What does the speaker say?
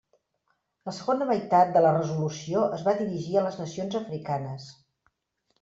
La segona meitat de la resolució es va dirigir a les nacions africanes.